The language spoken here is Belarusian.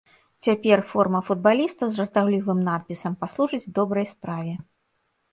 Цяпер форма футбаліста з жартаўлівым надпісам паслужыць добрай справе.